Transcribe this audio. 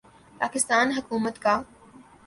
پاکستان حکومت کا